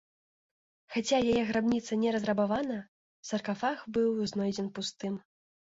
Хаця яе грабніца не разрабавана, саркафаг быў знойдзен пустым.